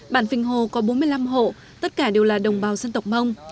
bản phình hồ có bốn mươi năm hộ tất cả đều là đồng bào dân tộc mông